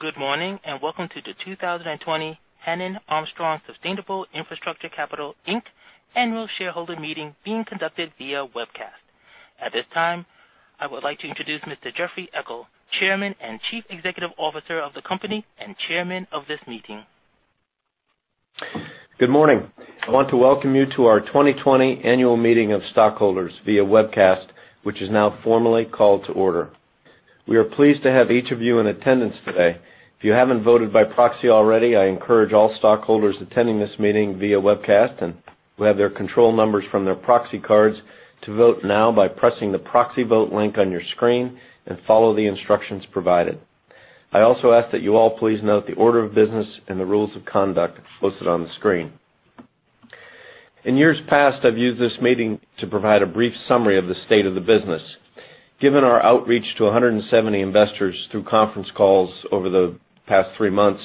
Good morning, and welcome to the 2020 Hannon Armstrong Sustainable Infrastructure Capital, Inc. Annual Shareholder Meeting being conducted via webcast. At this time, I would like to introduce Mr. Jeffrey Eckel, Chairman and Chief Executive Officer of the company and Chairman of this meeting. Good morning. I want to welcome you to our 2020 Annual Meeting of Stockholders via webcast, which is now formally called to order. We are pleased to have each of you in attendance today. If you haven't voted by proxy already, I encourage all stockholders attending this meeting via webcast, who have their control numbers from their proxy cards, to vote now by pressing the proxy vote link on your screen and follow the instructions provided. I also ask that you all please note the order of business and the rules of conduct listed on the screen. In years past, I've used this meeting to provide a brief summary of the state of the business. Given our outreach to 170 investors through conference calls over the past three months,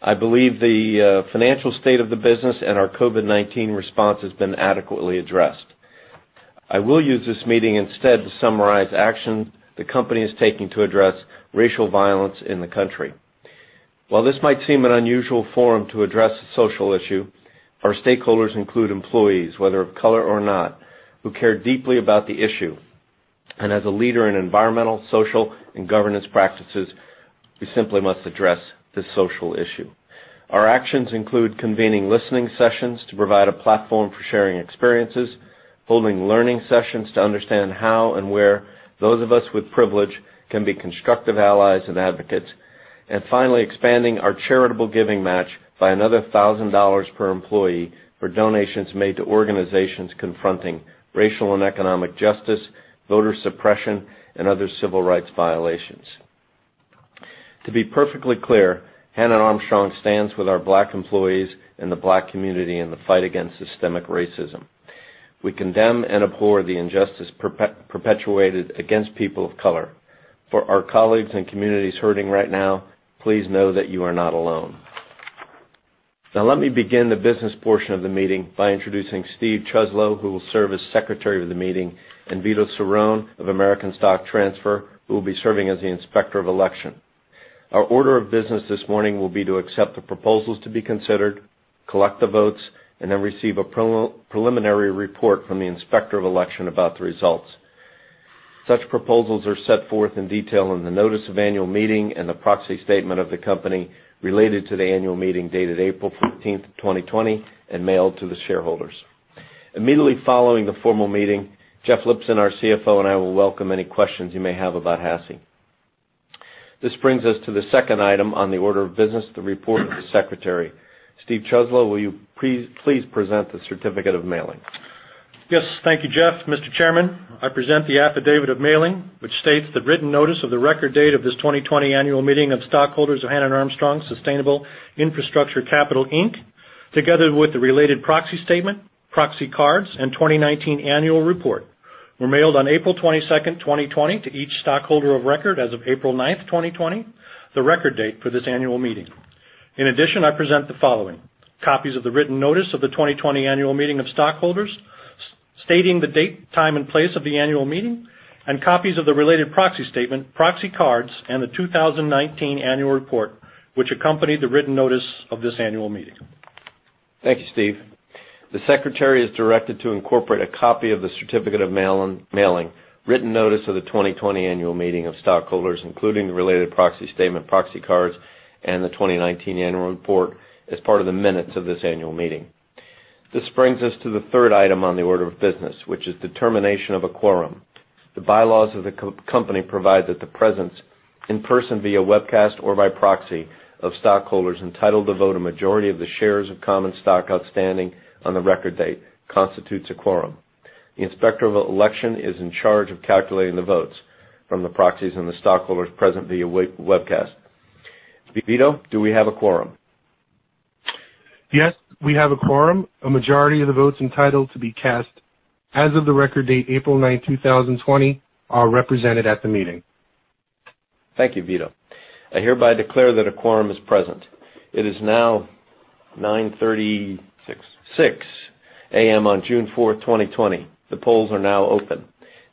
I believe the financial state of the business and our COVID-19 response has been adequately addressed. I will use this meeting instead to summarize actions the company is taking to address racial violence in the country. While this might seem an unusual forum to address a social issue, our stakeholders include employees, whether of color or not, who care deeply about the issue. As a leader in environmental, social, and governance practices, we simply must address this social issue. Our actions include convening listening sessions to provide a platform for sharing experiences, holding learning sessions to understand how and where those of us with privilege can be constructive allies and advocates. Finally, expanding our charitable giving match by another $1,000 per employee for donations made to organizations confronting racial and economic justice, voter suppression, and other civil rights violations. To be perfectly clear, Hannon Armstrong stands with our Black employees and the Black community in the fight against systemic racism. We condemn and abhor the injustice perpetuated against people of color. For our colleagues and communities hurting right now, please know that you are not alone. Let me begin the business portion of the meeting by introducing Steven Chuslo, who will serve as Secretary of the meeting, Vito Cerrone of American Stock Transfer, who will be serving as the Inspector of Election. Our order of business this morning will be to accept the proposals to be considered, collect the votes, then receive a preliminary report from the Inspector of Election about the results. Such proposals are set forth in detail in the notice of annual meeting and the proxy statement of the company related to the annual meeting dated April 15th, 2020, mailed to the shareholders. Immediately following the formal meeting, Jeff Lipson, our CFO, I, will welcome any questions you may have about HASI. This brings us to the second item on the order of business, the report of the Secretary. Steve Chuslo, will you please present the Certificate of Mailing? Yes. Thank you, Jeff. Mr. Chairman, I present the Affidavit of Mailing, which states that written notice of the record date of this 2020 Annual Meeting of Stockholders of Hannon Armstrong Sustainable Infrastructure Capital, Inc., together with the related proxy statement, proxy cards, and 2019 Annual Report, were mailed on April 22nd, 2020, to each stockholder of record as of April 9th, 2020, the record date for this annual meeting. In addition, I present the following: copies of the written notice of the 2020 Annual Meeting of Stockholders, stating the date, time, and place of the annual meeting, and copies of the related proxy statement, proxy cards, and the 2019 Annual Report, which accompanied the written notice of this annual meeting. Thank you, Steve. The Secretary is directed to incorporate a copy of the Certificate of Mailing, written notice of the 2020 Annual Meeting of Stockholders, including the related proxy statement, proxy cards, and the 2019 Annual Report, as part of the minutes of this annual meeting. This brings us to the third item on the order of business, which is determination of a quorum. The bylaws of the company provide that the presence in person, via webcast, or by proxy of stockholders entitled to vote a majority of the shares of common stock outstanding on the record date constitutes a quorum. The Inspector of Election is in charge of calculating the votes from the proxies and the stockholders present via webcast. Vito, do we have a quorum? Yes, we have a quorum. A majority of the votes entitled to be cast as of the record date, April 9, 2020, are represented at the meeting. Thank you, Vito. I hereby declare that a quorum is present. It is now 9:36 A.M. on June 4, 2020. The polls are now open.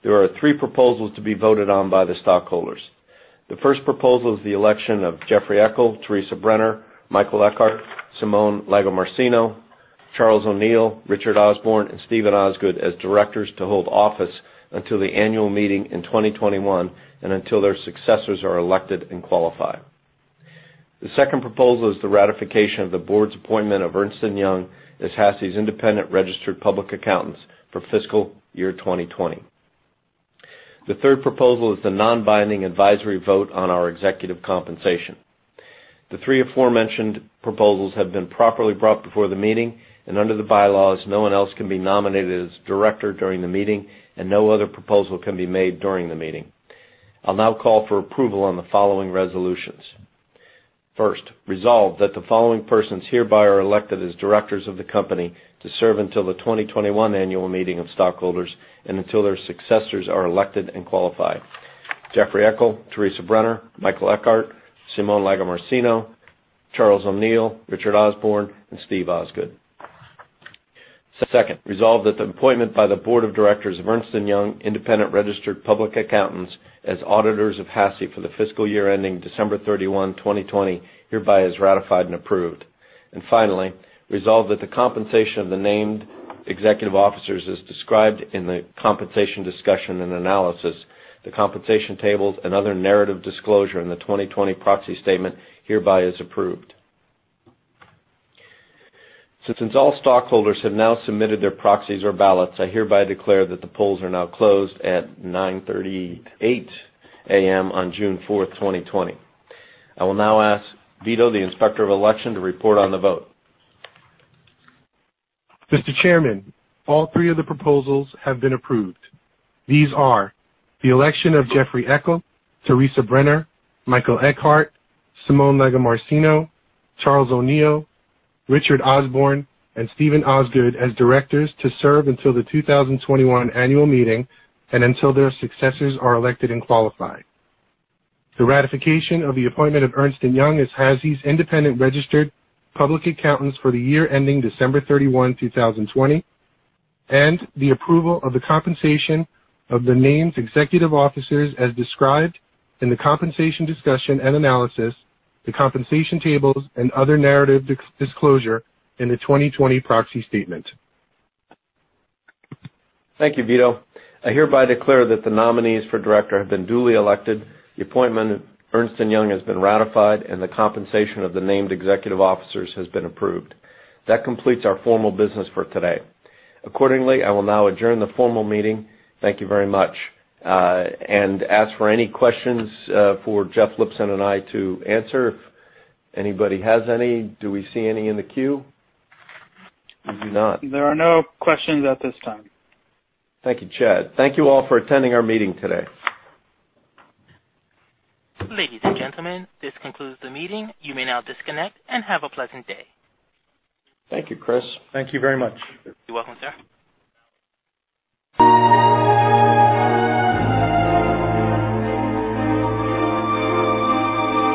There are 3 proposals to be voted on by the stockholders. The first proposal is the election of Jeffrey Eckel, Teresa Brenner, Michael Eckhart, Simone Lagomarsino, Charles O'Neill, Richard Osborne, and Steven Osgood as directors to hold office until the annual meeting in 2021 and until their successors are elected and qualified. The second proposal is the ratification of the board's appointment of Ernst & Young as HASI's independent registered public accountants for fiscal year 2020. The third proposal is the non-binding advisory vote on our executive compensation. The 3 aforementioned proposals have been properly brought before the meeting. Under the bylaws, no one else can be nominated as director during the meeting, no other proposal can be made during the meeting. I'll now call for approval on the following resolutions. First, resolve that the following persons hereby are elected as directors of the company to serve until the 2021 Annual Meeting of Stockholders and until their successors are elected and qualified: Jeffrey Eckel, Teresa Brenner, Michael Eckhart, Simone Lagomarsino, Charles O'Neill, Richard Osborne, and Steven Osgood. Second, resolved that the appointment by the board of directors of Ernst & Young, independent registered public accountants as auditors of HASI for the fiscal year ending December 31, 2020, hereby is ratified and approved. Finally, resolved that the compensation of the named executive officers is described in the compensation discussion and analysis, the compensation tables, and other narrative disclosure in the 2020 proxy statement hereby is approved. Since all stockholders have now submitted their proxies or ballots, I hereby declare that the polls are now closed at 9:38 A.M. on June 4, 2020. I will now ask Vito, the Inspector of Election, to report on the vote. Mr. Chairman, all 3 of the proposals have been approved. These are the election of Jeffrey Eckel, Teresa Brenner, Michael Eckhart, Simone Negri-Marcino, Charles O'Neill, Richard Osborne, and Steven Osgood as directors to serve until the 2021 annual meeting and until their successors are elected and qualified. The ratification of the appointment of Ernst & Young as HASI's independent registered public accountants for the year ending December 31, 2020, the approval of the compensation of the named executive officers as described in the compensation discussion and analysis, the compensation tables, and other narrative disclosure in the 2020 proxy statement. Thank you, Vito. I hereby declare that the nominees for director have been duly elected, the appointment of Ernst & Young has been ratified, and the compensation of the named executive officers has been approved. That completes our formal business for today. Accordingly, I will now adjourn the formal meeting. Thank you very much. As for any questions for Jeff Lipson and I to answer, if anybody has any. Do we see any in the queue? I do not. There are no questions at this time. Thank you, Chad. Thank you all for attending our meeting today. Ladies and gentlemen, this concludes the meeting. You may now disconnect and have a pleasant day. Thank you, Chris. Thank you very much. You're welcome, sir.